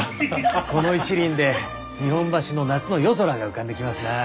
この一輪で日本橋の夏の夜空が浮かんできますな。